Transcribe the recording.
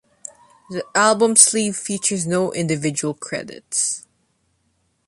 The album sleeve features no individual credits.